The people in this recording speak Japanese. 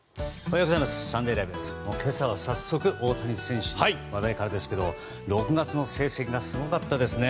今朝は早速、大谷選手の話題からですけど６月の成績がすごかったですね。